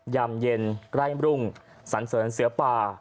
ยามเย็นใกล้รุ่งสันเสริญเสือป่า